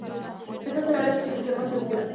Esta sería la distribución más segura.